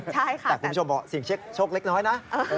แต่คุณผู้ชมบอกเสียงโชคเล็กน้อยนะ